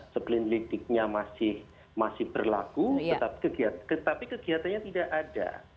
seprint lidiknya masih berlaku tetapi kegiatannya tidak ada